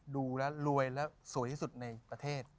ดูรวยที่สวยที่สุดในประเทศ